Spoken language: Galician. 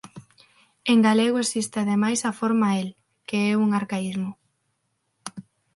En galego existe ademais a forma el, que é un arcaísmo.